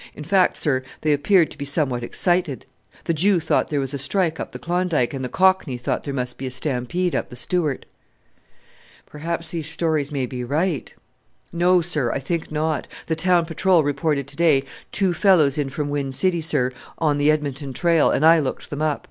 In fact, sir, they appeared to be somewhat excited. The Jew thought there was a strike up the Klondike and the Cockney thought there must be a stampede up the Stewart." "Perhaps these stories may be right!" "No, sir, I think not. The town patrol reported to day two fellows in from Wind City, sir, on the Edmonton Trail, and I looked them up.